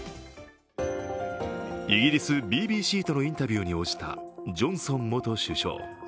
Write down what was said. イギリスＢＢＣとのインタビューに応じたジョンソン元首相。